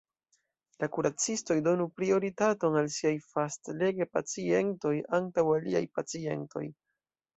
La kuracistoj donu prioritaton al siaj fastlege-pacientoj antaŭ aliaj pacientoj.